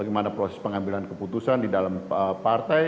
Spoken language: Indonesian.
kita bisa berjalan dengan mekanisme partai